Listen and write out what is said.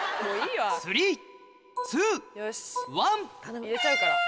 よし頼む入れちゃうから。